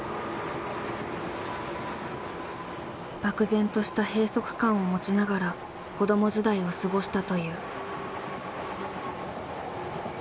漠然とした閉塞感を持ちながら子ども時代を過ごしたという。